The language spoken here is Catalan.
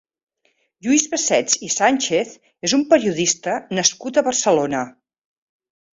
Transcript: Lluís Bassets i Sánchez és un periodista nascut a Barcelona.